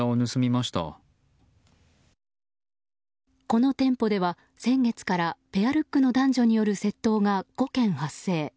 この店舗では先月からペアルックの男女による窃盗が５件発生。